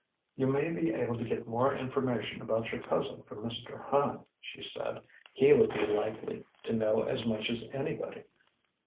"You may be able to get more information about your cousin from Mr. Hand," she said. "He would be likely to know as much as anybody."